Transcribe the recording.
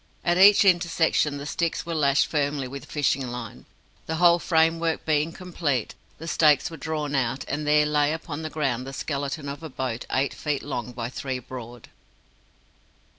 At each intersection the sticks were lashed firmly with fishing line. The whole framework being complete, the stakes were drawn out, and there lay upon the ground the skeleton of a boat eight feet long by three broad.